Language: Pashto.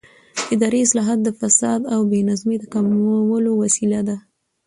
اداري اصلاحات د فساد او بې نظمۍ د کمولو وسیله دي